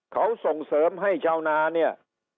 เขาส่งเสริมให้ชาวนาเนี่ย